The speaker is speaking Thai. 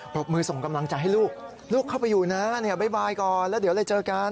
บมือส่งกำลังใจให้ลูกลูกเข้าไปอยู่นะบ๊ายก่อนแล้วเดี๋ยวเลยเจอกัน